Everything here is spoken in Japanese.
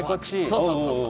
そうそうそう。